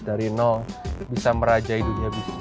dari nol bisa merajai dunia bisnis